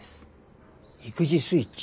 育児スイッチ？